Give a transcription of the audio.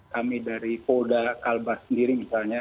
kami dari koda kalbar sendiri misalnya